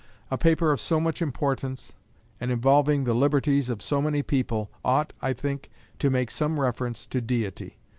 A paper of so much importance, and involving the liberties of so many people, ought, I think, to make some reference to Deity.